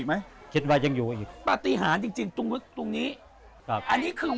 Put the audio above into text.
ก็เป็นอย่างนี้จริงเจ็ดเก้าตามฝันเลย